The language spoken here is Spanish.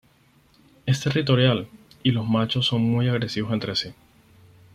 Es territorial, y los machos son muy agresivos entre sí.